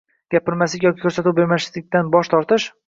Gapirmaslik yoki ko‘rsatuv berishdan bosh tortish